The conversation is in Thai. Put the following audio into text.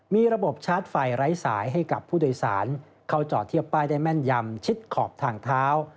มีระบบชาร์จไฟไร้สายให้กับผู้โดยสารเข้าจอดเทียบป้ายได้แม่นยำชิดขอบทางเท้า